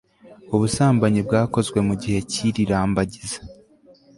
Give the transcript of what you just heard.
ubusambanyi bwakozwe mu gihe cy'iri 'rambagiza